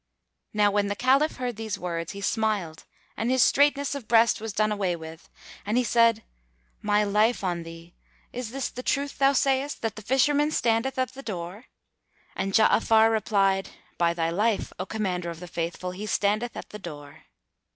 Now when the Caliph heard these words he smiled and his straitness of breast was done away with and he said, "My life on thee, is this the truth thou sayest, that the Fisherman standeth at the door?" and Ja'afar replied, "By thy life, O Commander of the Faithful, he standeth at the door."